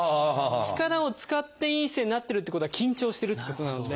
力を使っていい姿勢になってるってことは緊張してるっていうことなので。